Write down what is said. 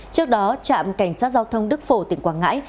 trước đó trạm cảnh sát giao thông đức phổ tỉnh quảng ngãi